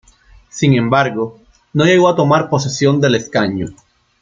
Sin embargo, no llegó a tomar posesión del escaño.